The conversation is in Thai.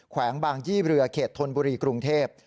แวงบางยี่เรือเขตธนบุรีกรุงเทพ